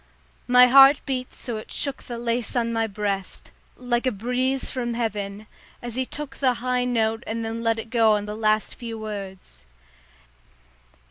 My heart beat so it shook the lace on my breast, like a breeze from heaven, as he took the high note and then let it go on the last few words.